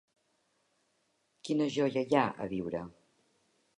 Quina joia hi ha a viure?